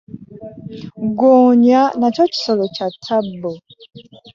Ggonya n'akyo kisolo ky'attabbu